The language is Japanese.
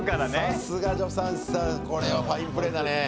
さすが助産師さんこれはファインプレーだね。